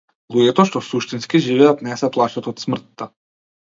Луѓето што суштински живеат не се плашат од смртта.